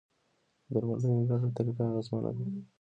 د درملنې ګډه طریقه اغېزمنه ده.